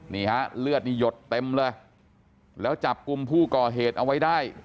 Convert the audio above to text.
นี่ฮะเลือดนี่หยดเต็มเลยแล้วจับกลุ่มผู้ก่อเหตุเอาไว้ได้